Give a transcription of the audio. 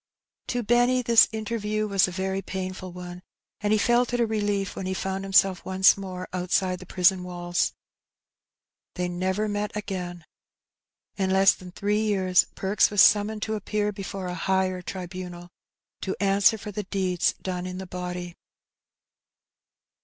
To Benny the interview was a very painful one, and he felt it a relief when he found himself once more outside the prison walls. They never met again. In less than three years Perks was summoned to appear before a higher tribunal, to answer for the deeds done in the body.